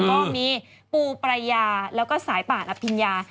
ก็มีปูปรายาแล้วก็สายป่านอภิญญา